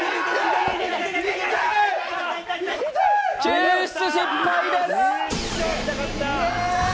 救出失敗です。